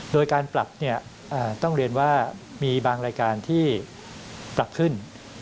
โดยการปรับต้องเรียนว่ามีบางรายการที่ปรับขึ้น